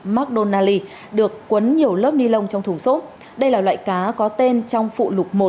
mcdonald s được quấn nhiều lớp ni lông trong thùng sốt đây là loại cá có tên trong phụ lục một